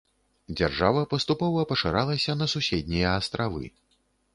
Дзяржава паступова пашыралася на суседнія астравы.